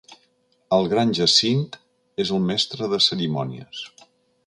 El gran jacint és el mestre de cerimònies.